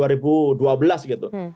setelah itu dia memperkuat semua